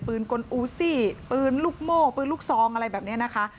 กลอูซี่ปืนลูกโม่ปืนลูกซองอะไรแบบนี้นะคะ